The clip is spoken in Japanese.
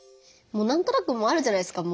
何となくもうあるじゃないですか。